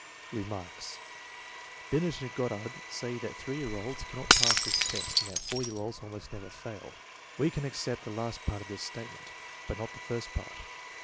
Remarks. Binet and Goddard say that 3 year olds can not pass this test and that 4 year olds almost never fail. We can accept the last part of this statement, but not the first part.